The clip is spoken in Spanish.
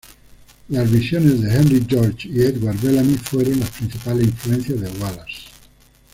Las visiones de Henry George y Edward Bellamy fueron las principales influencias de Wallace.